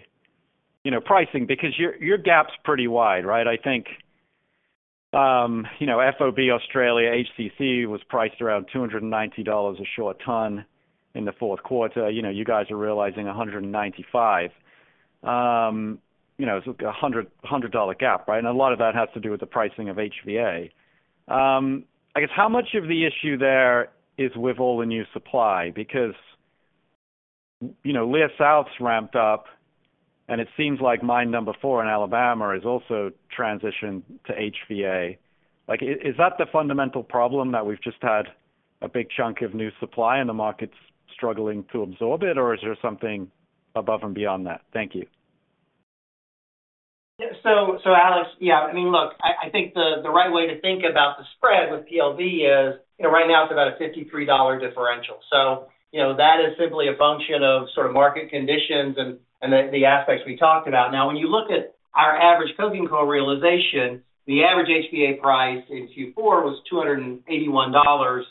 you know, pricing, because your gap's pretty wide, right? I think, you know, FOB Australia, HCC was priced around $290 a short ton in the fourth quarter. You know, you guys are realizing $195. You know, so a $100 gap, right? And a lot of that has to do with the pricing of HVA. I guess how much of the issue there is with all the new supply? Because, you know, Leer South's ramped up, and it seems like Mine No. 4 in Alabama is also transitioned to HVA. Like, is that the fundamental problem that we've just had a big chunk of new supply and the market's struggling to absorb it, or is there something above and beyond that? Thank you. So, Alex, yeah, I mean, look, I think the right way to think about the spread with PLV is, you know, right now it's about a $53 differential. So you know, that is simply a function of sort of market conditions and the aspects we talked about. Now, when you look at our average coking coal realization, the average HVA price in Q4 was $281.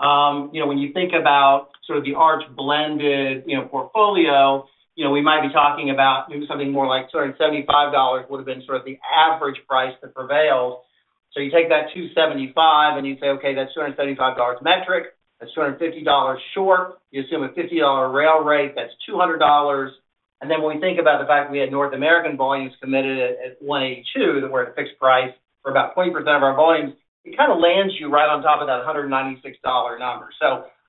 You know, when you think about sort of the Arch blended, you know, portfolio, you know, we might be talking about maybe something more like $275 would have been sort of the average price that prevailed. So you take that $275 and you say, okay, that's $275 metric, that's $250 short. You assume a $50 rail rate, that's $200. Then when we think about the fact that we had North American volumes committed at $182, that we're at fixed price for about 20% of our volumes, it kind of lands you right on top of that $196 number.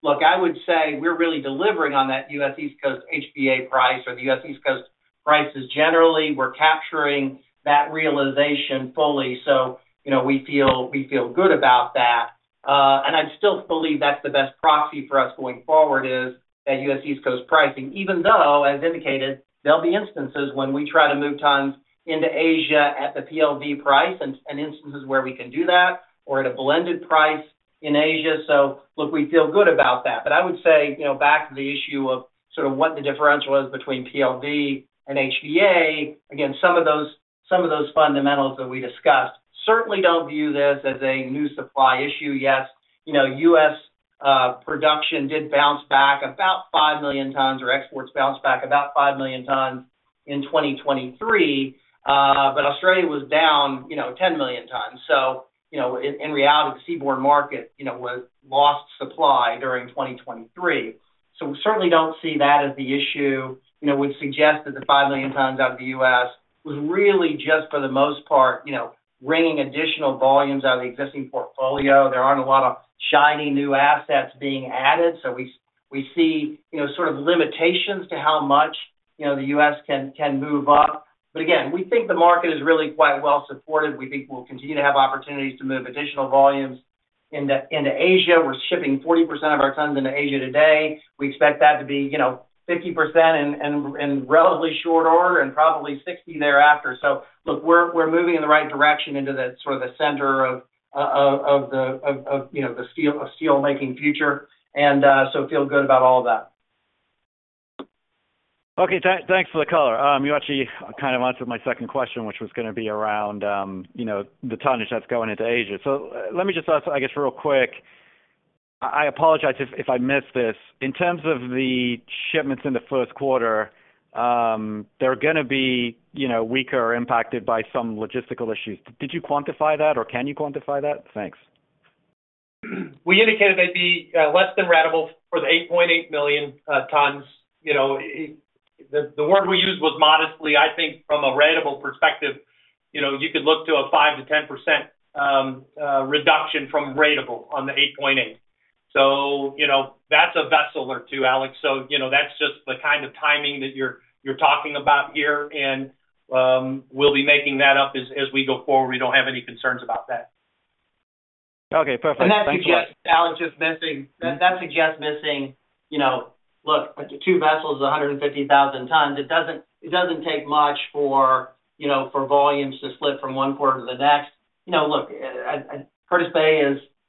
Look, I would say we're really delivering on that U.S. East Coast HVA price or the U.S. East Coast prices. Generally, we're capturing that realization fully. You know, we feel, we feel good about that. I'd still believe that's the best proxy for us going forward, is that U.S. East Coast pricing, even though, as indicated, there'll be instances when we try to move tons into Asia at the PLV price and instances where we can do that, or at a blended price in Asia. So look, we feel good about that. But I would say, you know, back to the issue of sort of what the differential is between PLV and HVA, again, some of those, some of those fundamentals that we discussed certainly don't view this as a new supply issue. Yes, you know, U.S. production did bounce back about 5 million tons, or exports bounced back about 5 million tons in 2023, but Australia was down, you know, 10 million tons. So, you know, in, in reality, the seaborne market, you know, was lost supply during 2023. So we certainly don't see that as the issue. You know, we'd suggest that the 5 million tons out of the U.S. was really just, for the most part, you know, wringing additional volumes out of the existing portfolio. There aren't a lot of shiny new assets being added, so we see, you know, sort of limitations to how much, you know, the U.S. can move up. But again, we think the market is really quite well supported. We think we'll continue to have opportunities to move additional volumes into Asia. We're shipping 40% of our tons into Asia today. We expect that to be, you know, 50% in relatively short order and probably 60% thereafter. So look, we're moving in the right direction into the sort of the center of the steelmaking future, and so feel good about all of that. Okay, thanks for the color. You actually kind of answered my second question, which was gonna be around, you know, the tonnage that's going into Asia. So let me just ask, I guess, real quick. I apologize if I missed this. In terms of the shipments in the first quarter, they're gonna be, you know, weaker or impacted by some logistical issues. Did you quantify that or can you quantify that? Thanks. We indicated they'd be less than ratable for the 8.8 million tons. You know, the word we used was modestly. I think from a ratable perspective, you know, you could look to a 5%-10% reduction from ratable on the 8.8. So you know, that's a vessel or two, Alex. So you know, that's just the kind of timing that you're talking about here, and we'll be making that up as we go forward. We don't have any concerns about that. Okay, perfect. And that suggests, Alex, just missing... That suggests missing, you know, look, two vessels is 150,000 tons. It doesn't take much for, you know, for volumes to slip from one quarter to the next. You know, look, Curtis Bay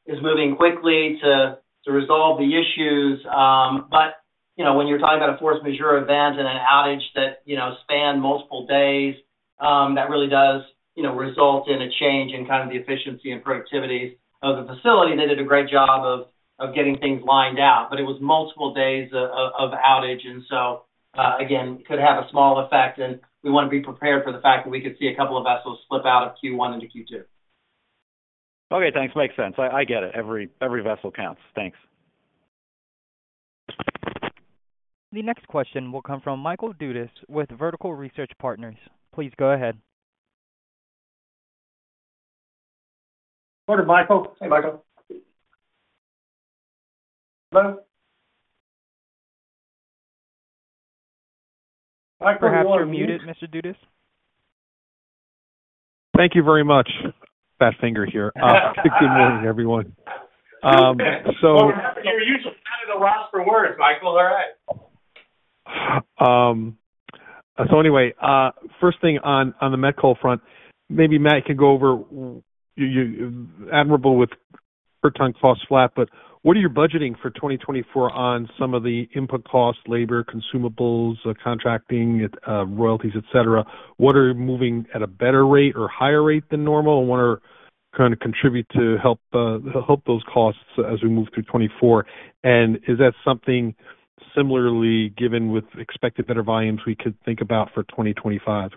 is moving quickly to resolve the issues. But, you know, when you're talking about a force majeure event and an outage that, you know, spanned multiple days, that really does, you know, result in a change in kind of the efficiency and productivity of the facility. They did a great job of getting things lined out, but it was multiple days of outage, and so, again, could have a small effect, and we want to be prepared for the fact that we could see a couple of vessels slip out of Q1 into Q2.... Okay, thanks. Makes sense. I get it. Every vessel counts. Thanks. The next question will come from Michael Dudas with Vertical Research Partners. Please go ahead. Go ahead, Michael. Hey, Michael. Hello? Michael, we want to hear you. Perhaps you're muted, Mr. Dudas. Thank you very much. Fat finger here. Good morning, everyone. You're usually kind of at a loss for words, Michael. All right. So anyway, first thing on the met coal front, maybe Matt could go over [admirable] with per ton cost flat, but what are you budgeting for 2024 on some of the input costs, labor, consumables, contracting, royalties, et cetera? What are you moving at a better rate or higher rate than normal, and what are kind of contribute to help those costs as we move through 2024? And is that something similarly given with expected better volumes we could think about for 2025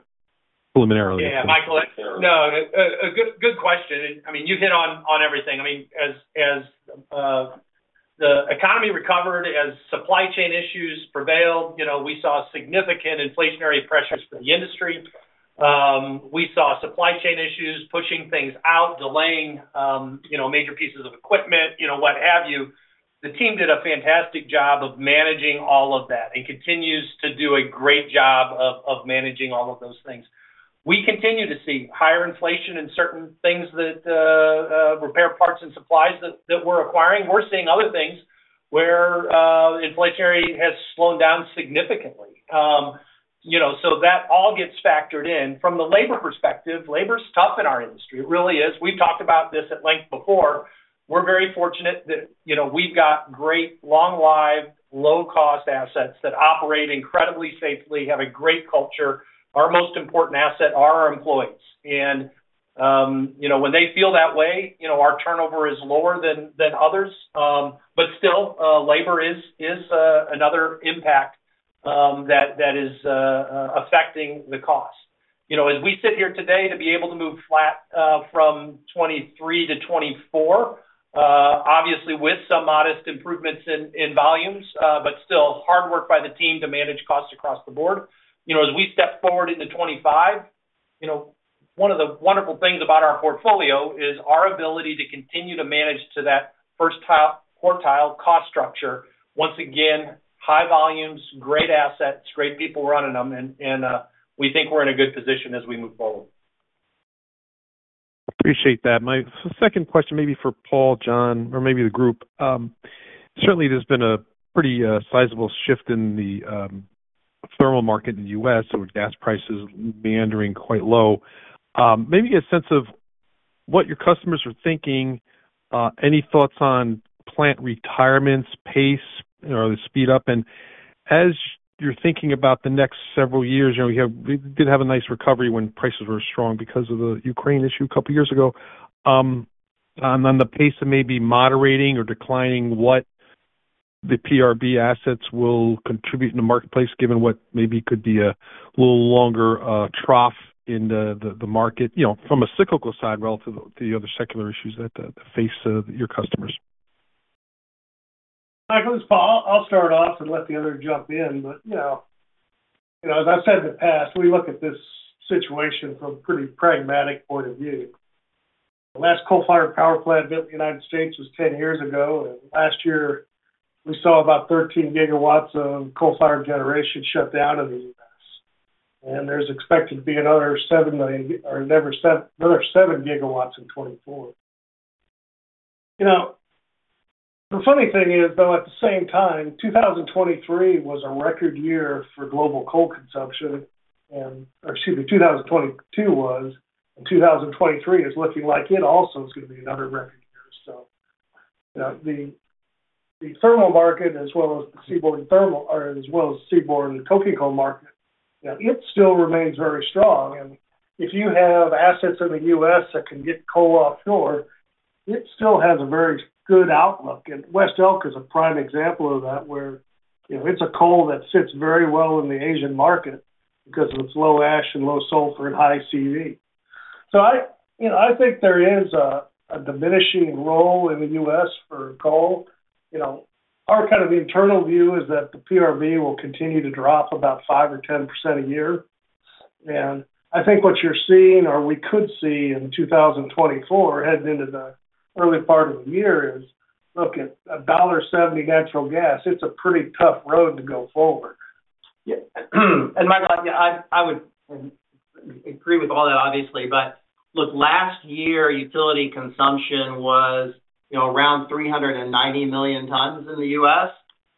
preliminarily? Yeah, Michael. No, a good question, and I mean, you hit on everything. I mean, as the economy recovered, as supply chain issues prevailed, you know, we saw significant inflationary pressures for the industry. We saw supply chain issues, pushing things out, delaying, you know, major pieces of equipment, you know, what have you. The team did a fantastic job of managing all of that and continues to do a great job of managing all of those things. We continue to see higher inflation in certain things that repair parts and supplies that we're acquiring. We're seeing other things where inflationary has slowed down significantly. You know, so that all gets factored in. From the labor perspective, labor is tough in our industry. It really is. We've talked about this at length before. We're very fortunate that, you know, we've got great, long-lived, low-cost assets that operate incredibly safely, have a great culture. Our most important asset are our employees, and, you know, when they feel that way, you know, our turnover is lower than others. But still, labor is another impact that is affecting the cost. You know, as we sit here today, to be able to move flat from 2023 to 2024, obviously with some modest improvements in volumes, but still hard work by the team to manage costs across the board. You know, as we step forward into 2025, you know, one of the wonderful things about our portfolio is our ability to continue to manage to that first quartile cost structure. Once again, high volumes, great assets, great people running them, and we think we're in a good position as we move forward. Appreciate that. My second question may be for Paul, John, or maybe the group. Certainly there's been a pretty sizable shift in the thermal market in the U.S., with gas prices meandering quite low. Maybe a sense of what your customers are thinking. Any thoughts on plant retirements, pace, or the speed up? And as you're thinking about the next several years, you know, we have—we did have a nice recovery when prices were strong because of the Ukraine issue a couple of years ago. And then the pace of may be moderating or declining, what the PRB assets will contribute in the marketplace, given what maybe could be a little longer trough in the market, you know, from a cyclical side relative to the other secular issues that face your customers. Michael, it's Paul. I'll start off and let the other jump in. But, you know, you know, as I've said in the past, we look at this situation from a pretty pragmatic point of view. The last coal-fired power plant built in the United States was 10 years ago, and last year, we saw about 13 gigawatts of coal-fired generation shut down in the U.S. And there's expected to be another 7 million, or another 7, another 7 gigawatts in 2024. You know, the funny thing is, though, at the same time, 2023 was a record year for global coal consumption and... or excuse me, 2022 was, and 2023 is looking like it also is going to be another record year. So, you know, the thermal market as well as the seaborne thermal, or as well as seaborne coking coal market, you know, it still remains very strong. And if you have assets in the U.S. that can get coal offshore, it still has a very good outlook. And West Elk is a prime example of that, where, you know, it's a coal that sits very well in the Asian market because of its low ash and low sulfur and high CV. So I, you know, I think there is a diminishing role in the U.S. for coal. You know, our kind of internal view is that the PRB will continue to drop about 5%-10% a year. I think what you're seeing or we could see in 2024, heading into the early part of the year, is, look, at $1.70 natural gas, it's a pretty tough road to go forward. Yeah, and Michael, yeah, I would agree with all that, obviously. But look, last year, utility consumption was, you know, around 390 million tons in the U.S.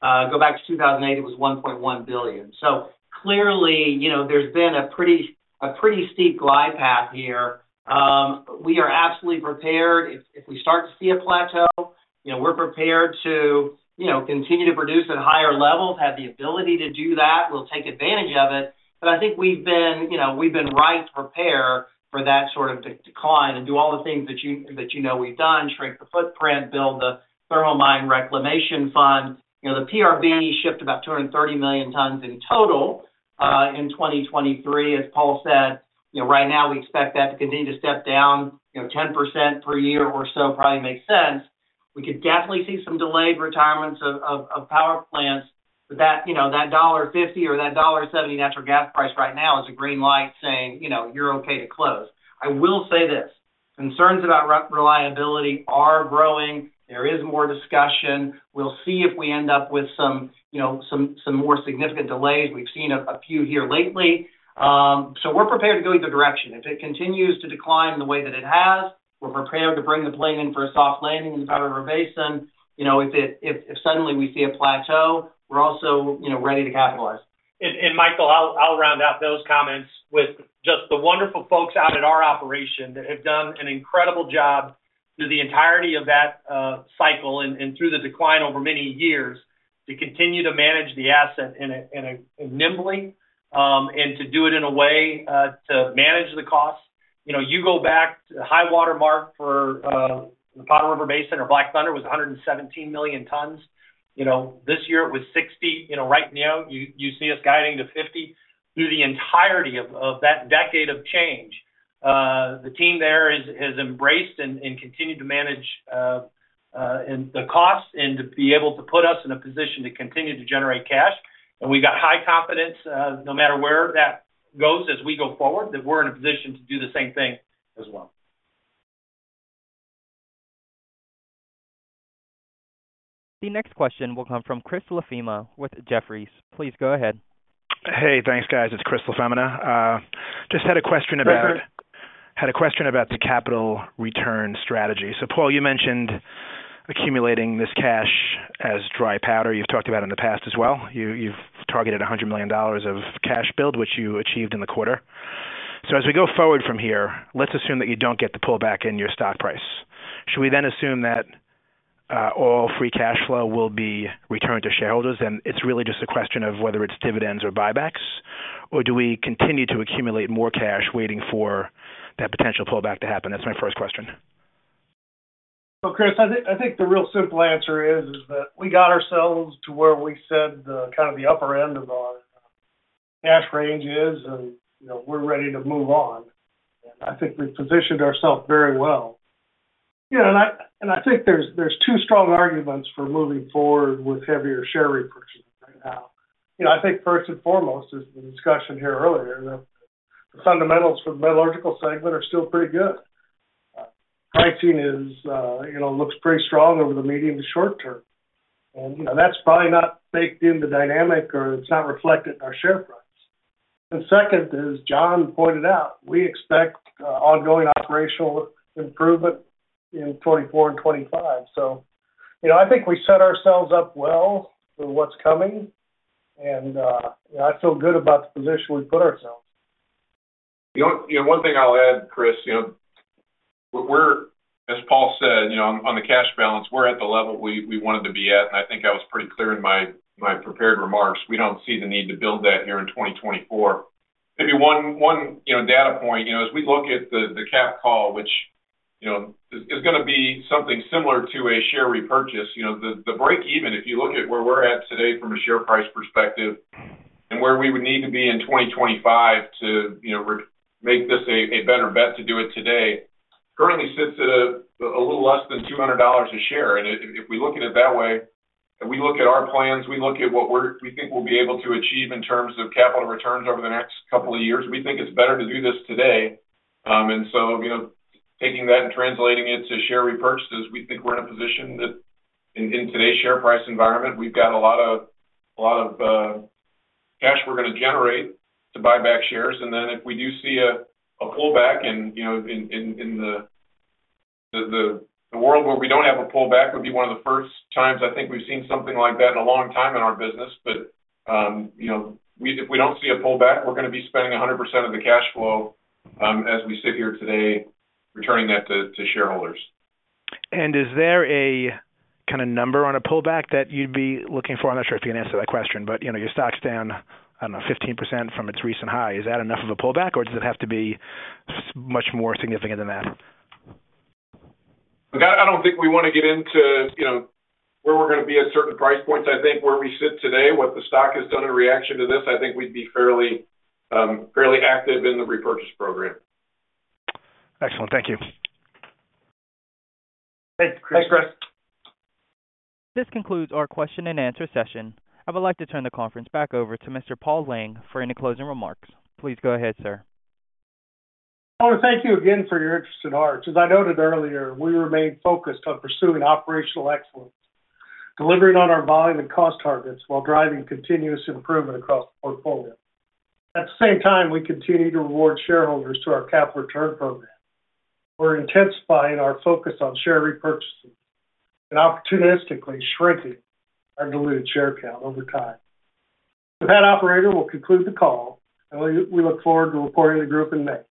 Go back to 2008, it was 1.1 billion. So clearly, you know, there's been a pretty, a pretty steep glide path here. We are absolutely prepared. If we start to see a plateau, you know, we're prepared to, you know, continue to produce at higher levels, have the ability to do that. We'll take advantage of it. But I think we've been, you know, we've been right to prepare for that sort of decline and do all the things that you know we've done, shrink the footprint, build the thermal mine reclamation fund. You know, the PRB shipped about 230 million tons in total.... in 2023, as Paul said, you know, right now we expect that to continue to step down, you know, 10% per year or so probably makes sense. We could definitely see some delayed retirements of power plants, but that, you know, that $1.50 or that $1.70 natural gas price right now is a green light saying, you know, "You're okay to close." I will say this, concerns about reliability are growing. There is more discussion. We'll see if we end up with some, you know, some more significant delays. We've seen a few here lately. So we're prepared to go either direction. If it continues to decline the way that it has, we're prepared to bring the plane in for a soft landing in Powder River Basin. You know, if suddenly we see a plateau, we're also, you know, ready to capitalize. Michael, I'll round out those comments with just the wonderful folks out at our operation that have done an incredible job through the entirety of that cycle and through the decline over many years, to continue to manage the asset in a nimbly, and to do it in a way to manage the costs. You know, you go back to the high-water mark for the Powder River Basin or Black Thunder was 117 million tons. You know, this year it was 60. You know, right now, you see us guiding to 50. Through the entirety of that decade of change, the team there has embraced and continued to manage the costs and to be able to put us in a position to continue to generate cash. We got high confidence, no matter where that goes as we go forward, that we're in a position to do the same thing as well. The next question will come from Chris LaFemina with Jefferies. Please go ahead. Hey, thanks, guys. It's Chris LaFemina. Just had a question about- Hi, Chris. Had a question about the capital return strategy. So, Paul, you mentioned accumulating this cash as dry powder. You've talked about it in the past as well. You've targeted $100 million of cash build, which you achieved in the quarter. So as we go forward from here, let's assume that you don't get the pullback in your stock price. Should we then assume that all free cash flow will be returned to shareholders, and it's really just a question of whether it's dividends or buybacks? Or do we continue to accumulate more cash, waiting for that potential pullback to happen? That's my first question. Well, Chris, I think the real simple answer is that we got ourselves to where we said the kind of the upper end of our cash range is, and, you know, we're ready to move on. And I think we've positioned ourselves very well. You know, and I think there's two strong arguments for moving forward with heavier share repurchase right now. You know, I think first and foremost, is the discussion here earlier, the fundamentals for the metallurgical segment are still pretty good. Pricing is, you know, looks pretty strong over the medium to short term, and, you know, that's probably not baked in the dynamic or it's not reflected in our share price. And second is, as John pointed out, we expect ongoing operational improvement in 2024 and 2025. So, you know, I think we set ourselves up well for what's coming, and I feel good about the position we've put ourselves. You know, one thing I'll add, Chris, you know, we're, as Paul said, you know, on the cash balance, we're at the level we wanted to be at, and I think I was pretty clear in my prepared remarks. We don't see the need to build that here in 2024. Maybe one, you know, data point, you know, as we look at the capped call, which, you know, is gonna be something similar to a share repurchase. You know, the break-even, if you look at where we're at today from a share price perspective and where we would need to be in 2025 to, you know, make this a better bet to do it today, currently sits at a little less than $200 a share. And if we look at it that way, if we look at our plans, we look at what we're – we think we'll be able to achieve in terms of capital returns over the next couple of years, we think it's better to do this today. And so, you know, taking that and translating it to share repurchases, we think we're in a position that in today's share price environment, we've got a lot of cash we're gonna generate to buy back shares. And then if we do see a pullback in, you know, in the world where we don't have a pullback would be one of the first times I think we've seen something like that in a long time in our business. But, you know, we, if we don't see a pullback, we're gonna be spending 100% of the cash flow, as we sit here today, returning that to shareholders. Is there a kind of number on a pullback that you'd be looking for? I'm not sure if you can answer that question, but, you know, your stock's down, I don't know, 15% from its recent high. Is that enough of a pullback, or does it have to be much more significant than that? Look, I don't think we want to get into, you know, where we're gonna be at certain price points. I think where we sit today, what the stock has done in reaction to this, I think we'd be fairly, fairly active in the repurchase program. Excellent. Thank you. Thanks, Chris. Thanks, Chris. This concludes our question and answer session. I would like to turn the conference back over to Mr. Paul Lang for any closing remarks. Please go ahead, sir. I want to thank you again for your interest in Arch. As I noted earlier, we remain focused on pursuing operational excellence, delivering on our volume and cost targets, while driving continuous improvement across the portfolio. At the same time, we continue to reward shareholders through our capital return program. We're intensifying our focus on share repurchases and opportunistically shrinking our diluted share count over time. With that, operator, we'll conclude the call, and we look forward to reporting to the group in May.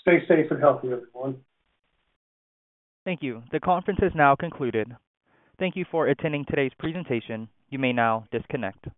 Stay safe and healthy, everyone. Thank you. The conference is now concluded. Thank you for attending today's presentation. You may now disconnect.